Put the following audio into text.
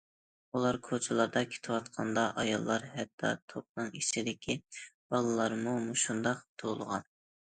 ئۇلار كوچىلاردا كېتىۋاتقىنىدا ئاياللار، ھەتتا توپنىڭ ئىچىدىكى بالىلارمۇ مۇشۇنداق توۋلىغان.